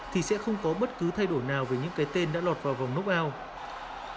thì sẽ không có bất cứ thay đổi nào về những cái tên đã lọt vào vòng knockout